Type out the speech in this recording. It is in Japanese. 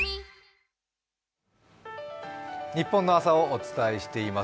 日本の朝をお伝えしています。